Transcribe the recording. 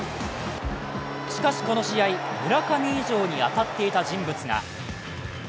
しかしこの試合村上以上に当たっていた人物が。